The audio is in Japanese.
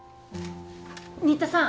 新田さん！